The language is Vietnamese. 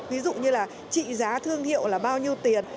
ví dụ như là trị giá thương hiệu là bao nhiêu tiền